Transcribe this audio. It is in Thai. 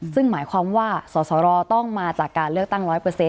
ซึ่งหมายความว่าสสรต้องมาจากการเลือกตั้ง๑๐๐